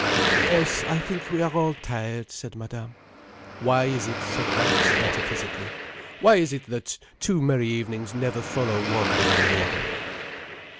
"Yes, I think we are all tired," said Madame. "Why is it?" said Max metaphysically—"why is it that two merry evenings never follow one behind the other."